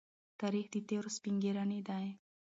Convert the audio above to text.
تاریخ د تېرو سپږېرنی دی.